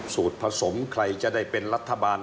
สูตรผสมใครจะได้เป็นรัฐบาล